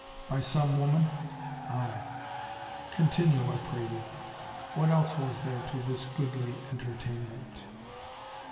" By some woman ?"" Aye." " Continue, I pray you. What else was there to this goodly entertainment